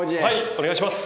お願いします。